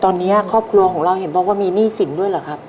ตอนนี้ครอบครัวของเราเห็นบอกว่ามีหนี้สินด้วยเหรอครับ